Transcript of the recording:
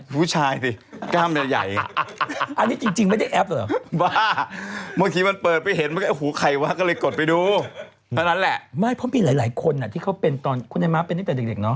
คือคิดวันนี้ออฟเนี่ยโดนแทงข้างหลัง